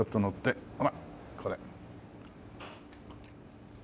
ほらこれ。